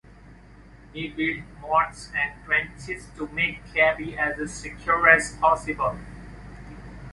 He built moats and trenches to make Kebbi as secure as possible.